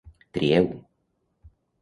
Trieu!